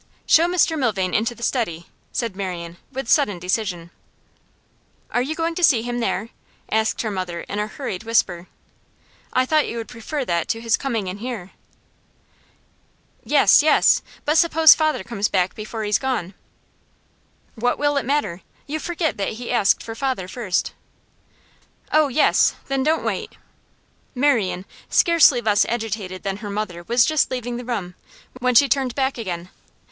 'Show Mr Milvain into the study,' said Marian, with sudden decision. 'Are you going to see him there?' asked her mother in a hurried whisper. 'I thought you would prefer that to his coming in here.' 'Yes yes. But suppose father comes back before he's gone?' 'What will it matter? You forget that he asked for father first.' 'Oh yes! Then don't wait.' Marian, scarcely less agitated than her mother, was just leaving the room, when she turned back again.